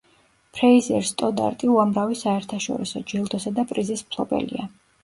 ფრეიზერ სტოდარტი უამრავი საერთაშორისო ჯილდოსა და პრიზის მფლობელია.